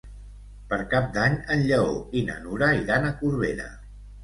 Per Cap d'Any en Lleó i na Nura iran a Corbera.